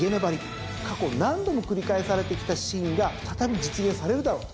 過去何度も繰り返されてきたシーンが再び実現されるだろうと。